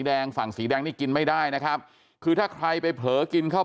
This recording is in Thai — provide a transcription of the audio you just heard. แดงฝั่งสีแดงนี่กินไม่ได้นะครับคือถ้าใครไปเผลอกินข้าว